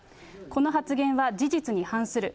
この発言は事実に反する。